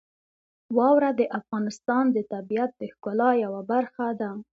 واوره د افغانستان د طبیعت د ښکلا یوه برخه ده.